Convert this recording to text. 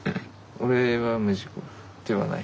俺は無事故ではない。